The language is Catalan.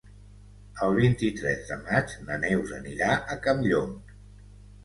El vint-i-tres de maig na Neus anirà a Campllong.